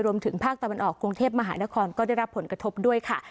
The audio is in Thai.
รวมถึงภาคตะวันออกกรุงเทพมหานครก็ได้รับผลกระทบด้วยค่ะ